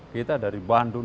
kita dari bandung